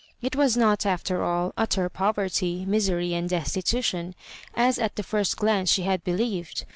It was not, after all, utter proverty, misery, and destitution, as at the first glance she had believed.